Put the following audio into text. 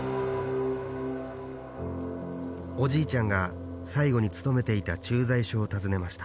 おじいちゃんが最後に勤めていた駐在所を訪ねました